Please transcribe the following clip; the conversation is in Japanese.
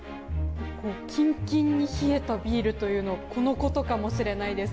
キンキンに冷えたビールとはこのことかもしれないです。